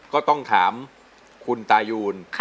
ก็ต้องถามคุณตายูน